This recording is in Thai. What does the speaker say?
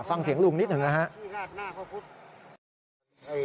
ฟังเสียงลุงนิดหนึ่งนะครับ